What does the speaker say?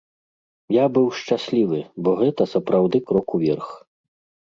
Я быў шчаслівы, бо гэта сапраўды крок уверх.